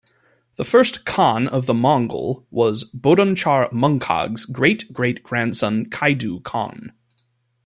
The first Khan of the Mongol was Bodonchar Munkhag's great-great-grandson Khaidu Khan.